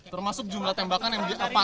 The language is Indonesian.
termasuk jumlah tembakan yang